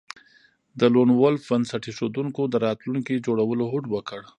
د لون وولف بنسټ ایښودونکو د راتلونکي جوړولو هوډ وکړ